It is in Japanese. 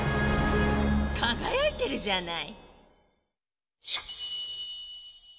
かがやいてるじゃない。